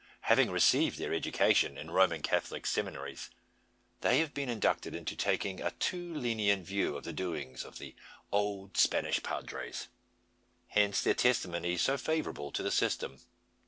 Having received their education in Roman Catholic seminaries, they have been inducted into taking a too lenient view of the doings of the "old Spanish padres;" hence their testimony so favourable to the system.